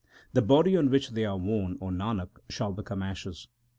4 The body on which they are worn, O Nanak, shall become ashes.